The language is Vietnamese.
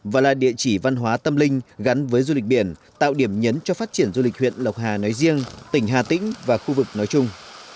và là địa chỉ văn hóa tâm linh gắn với du lịch biển tạo điểm nhấn cho phát triển du lịch huyện lộc hà nói riêng tỉnh hà tĩnh và khu vực nói chung